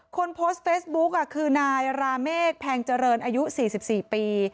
คนโพสต์เฟซบุ๊กอ่ะคือนายราเมฆแพงเจริญอายุสี่สิบสี่ปี